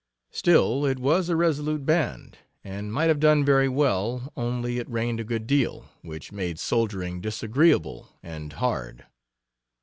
Still, it was a resolute band, and might have done very well, only it rained a good deal, which made soldiering disagreeable and hard.